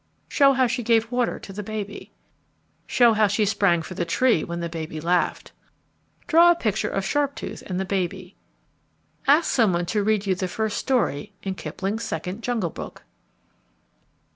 _ Show how she gave water to the baby. Show how she sprang for the tree when the baby laughed. Draw a picture of Sharptooth and the baby. _Ask some one to read you the first story in Kipling's Second Jungle Book.